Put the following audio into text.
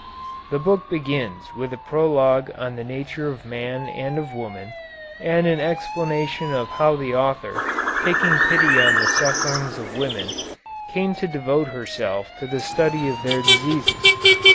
The book begins with a prologue on the nature of man and of woman, and an explanation of how the author, taking pity on the sufferings of women, came to devote herself to the study of their diseases.